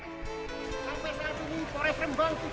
tentang kegiatan yang dilaksanakan pada hari ini